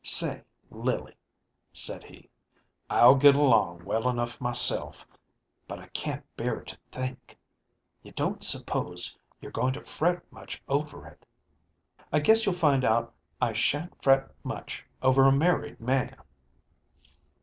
" Say, Lily," said he, " I'll get along well enough myself, but I can't bear to think You don't suppose you're going to fret much over it?" ďI guess you'll find out I sha'n't fret much over a married man."